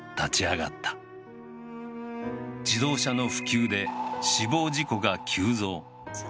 自動車の普及で死亡事故が急増。